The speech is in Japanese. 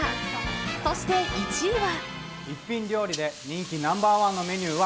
そして１位は。